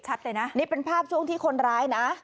เลยนะนี่เป็นภาพช่วงที่คนร้ายนะ